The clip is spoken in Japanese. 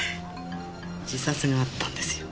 自殺があったんですよ。